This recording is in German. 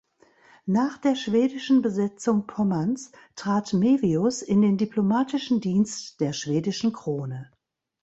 Nach der schwedischen Besetzung Pommerns trat Mevius in den diplomatischen Dienst der schwedischen Krone.